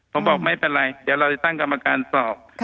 ผมบอกไม่เป็นไรเดี๋ยวเราจะตั้งกรรมการสอบ